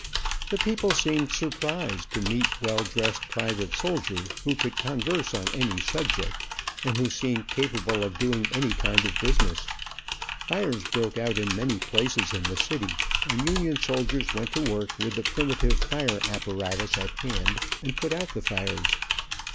The people seemed surprised to meet well dressed private soldiers who could converse on any subject, and who seemed capable of doing any kind of business. Fires broke out in many places in the city, and Union soldiers went to work with the primitive fire apparatus at hand and put out the fires.